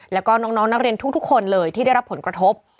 แล้วก็น้องนักเรียนทุกคนเลยที่ได้รับผลกระทบ